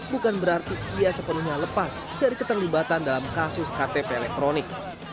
bukan berarti ia sepenuhnya lepas dari keterlibatan dalam kasus ktp elektronik